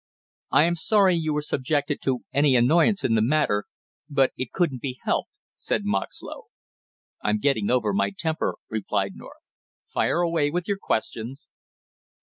"I am sorry you were subjected to any annoyance in the matter, but it couldn't be helped," said Moxlow. "I'm getting over my temper," replied North. "Fire away with your questions!"